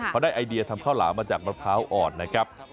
เขาได้ไอเดียทำข้าวหลามมาจากมะพร้าวอ่อนนะครับ